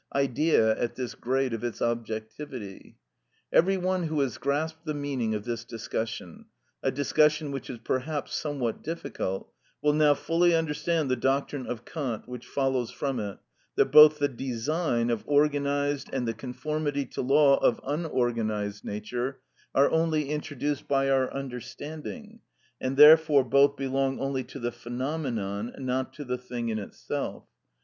_, idea at this grade of its objectivity. Every one who has grasped the meaning of this discussion—a discussion which is perhaps somewhat difficult—will now fully understand the doctrine of Kant, which follows from it, that both the design of organised and the conformity to law of unorganised nature are only introduced by our understanding, and therefore both belong only to the phenomenon, not to the thing in itself.